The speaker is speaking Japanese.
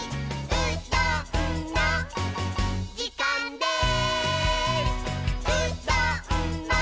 「うどんのじかんです！」